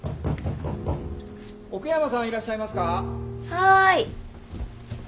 はい。